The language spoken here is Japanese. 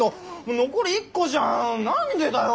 残り１個じゃん何でだよ